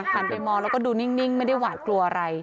หันไปมองแล้วก็ดูนิ่งไม่ได้หวาดกลัวอะไร